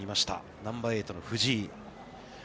ナンバーエイトの藤井。